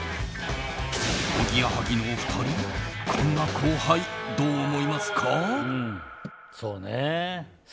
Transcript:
おぎやはぎのお二人こんな後輩、どう思いますか？